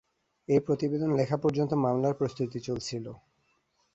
এ প্রতিবেদন লেখা পর্যন্ত মামলার প্রস্তুতি চলছিল।